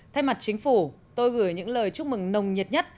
thay mặt chính phủ tôi gửi những lời chúc mừng nồng nhiệt nhất